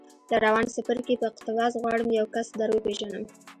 له روان څپرکي په اقتباس غواړم یو کس در وپېژنم